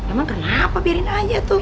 emang kenapa biarin aja tuh